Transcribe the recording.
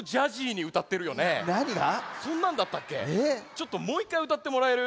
ちょっともう１かいうたってもらえる？